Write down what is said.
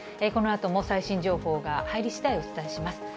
このあとも最新情報が入りしだい、お伝えします。